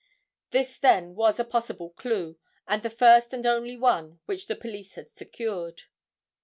This then was a possible clue and the first and only one which the police had secured.